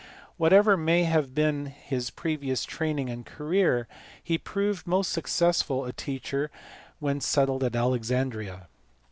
Whatever may have been his previous training and career, he proved a most successful teacher when settled at Alexandria.